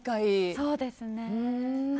そうですね。